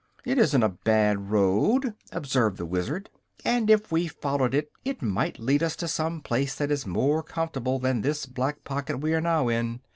"It isn't a bad road," observed the Wizard, "and if we followed it it might lead us to some place that is more comfortable than this black pocket we are now in.